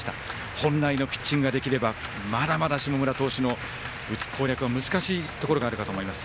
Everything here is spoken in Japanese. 本来のピッチングができればまだまだ下村投手の攻略は難しいところがあるかと思います。